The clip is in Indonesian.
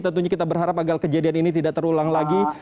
tentunya kita berharap agar kejadian ini tidak terulang lagi